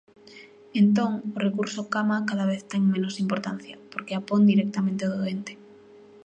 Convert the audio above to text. Entón o recurso-cama cada vez ten menos importancia porque a pon directamente o doente.